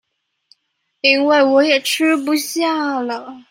因為我也吃不下了